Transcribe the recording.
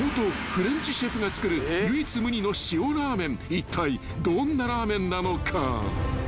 ［いったいどんなラーメンなのか］